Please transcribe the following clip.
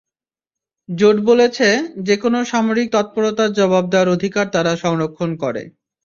জোট বলেছে, যেকোনো সামরিক তৎপরতার জবাব দেওয়ার অধিকার তারা সংরক্ষণ করে।